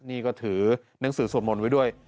นี่ก็ถือหนังสือสวดมนต์ไว้ด้วย